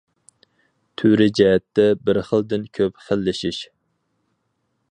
تۈرى جەھەتتە بىر خىلدىن كۆپ خىللىشىش.